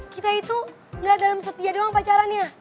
kita itu gak dalam setia doang pacarannya